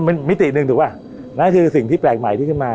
มันมิติหนึ่งถูกป่ะนั่นคือสิ่งที่แปลกใหม่ที่ขึ้นมา